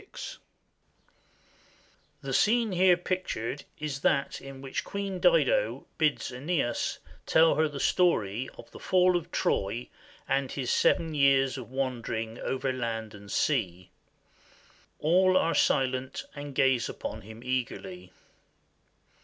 1 774 1833) The scene here pictured is that in which Queen Dido bids ^neas tell her the story of the fall of Troy and his seven years of wandering over land and sea. All are silent and gaze upon him eagerly.